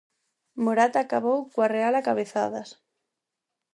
Morata acabou coa Real a cabezadas.